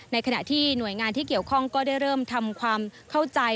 ขณะที่หน่วยงานที่เกี่ยวข้องก็ได้เริ่มทำความเข้าใจ